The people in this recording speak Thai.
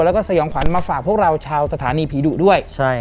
แล้วก็สยองขวัญมาฝากพวกเราชาวสถานีผีดุด้วย